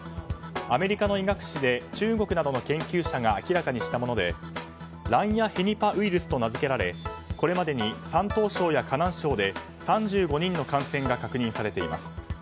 アメリカの医学誌で中国などの研究者が明らかにしたものでランヤヘニパウイルスと名付けられこれまでに山東省や河南省で３５人の感染が確認されています。